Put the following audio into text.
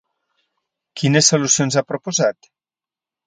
Quines solucions ha proposat?